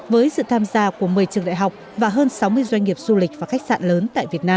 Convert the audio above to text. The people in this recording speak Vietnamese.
với sự tham gia của một mươi trường đại học và hơn sáu mươi doanh nghiệp du lịch và khách sạn lớn tại việt nam